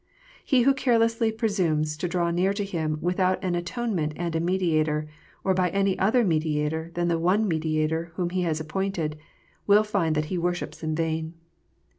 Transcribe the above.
He who carelessly presumes to draw near to Him without an atonement and a mediator, or by any other mediator than the one Mediator whom He has appointed, will find that he worships in vain.